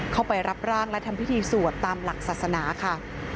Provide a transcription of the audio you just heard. เข้าไปรับร่างและทำพิธีสวดตามหลักศาสนาค่ะ